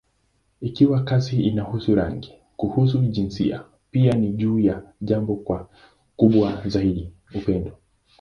Ikiwa kazi inahusu rangi, kuhusu jinsia, pia ni juu ya jambo kubwa zaidi: upendo.